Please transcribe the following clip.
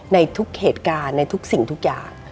ในทุกเหตุการณ์ในทุกสิ่งทุกอย่าง